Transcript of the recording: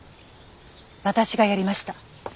私がやりました。